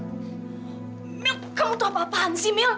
mil kamu tau apaan apaan sih mil